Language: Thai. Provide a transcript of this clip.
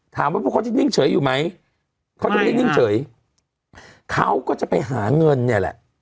พวกเขาจะนิ่งเฉยอยู่ไหมเขาจะไม่ได้นิ่งเฉยเขาก็จะไปหาเงินเนี่ยแหละ